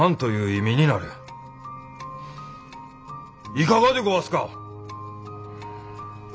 いかがでごわすか？